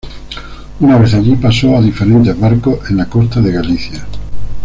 Una vez allí, pasó a diferentes barcos en las costas de Galicia.